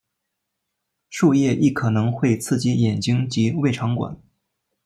树液亦可能会刺激眼睛及胃肠管。